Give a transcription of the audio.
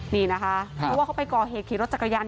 นี่นะคะเพราะว่าเขาไปก่อเหตุขี่รถจักรยาน